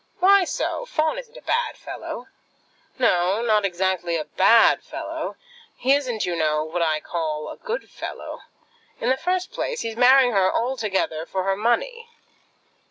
"Why so? Fawn isn't a bad fellow." "No; not exactly a bad fellow. He isn't, you know, what I call a good fellow. In the first place, he is marrying her altogether for her money."